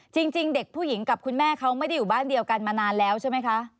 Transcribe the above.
จริงเด็กผู้หญิงกับคุณแม่เขาไม่ได้อยู่บ้านเดียวกันมานานแล้วใช่ไหมคะ